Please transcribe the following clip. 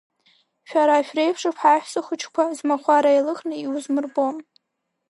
Шәара шәреиԥшуп ҳаҳәса хәыҷқәа, змахәар еилыхны иузмырбо.